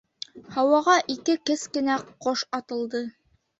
Һауаға ике кескенә ҡош атылды.